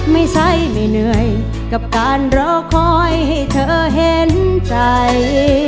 ไม่ใช่ไม่เหนื่อยกับการรอคอยให้เธอเห็นใจ